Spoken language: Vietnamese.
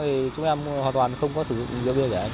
thì chúng em hoàn toàn không có sử dụng rượu bia gì